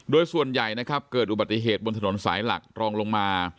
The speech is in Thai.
โดยส่วนใหญ่นะครับเกิดอุบัติเหตุบนถนนสายหลักรองลงมา